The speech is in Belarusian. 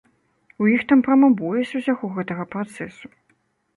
У іх там прама боязь усяго гэтага працэсу.